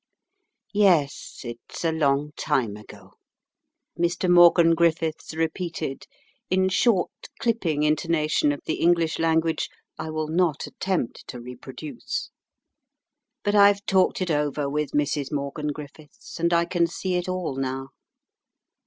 "Yes, it's a long time ago," Mr. Morgan Griffiths repeated, in short, clipping intonation of the English language I will not attempt to reproduce, "but I've often talked it over with Mrs. Morgan Griffiths, and I can see it all now.